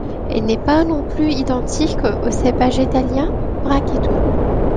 Il n'est pas non plus identique au cépage italien brachetto.